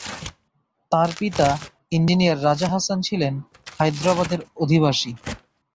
তার পিতা ইঞ্জিনিয়ার রাজা হাসান ছিলেন হায়দ্রাবাদের অধিবাসী।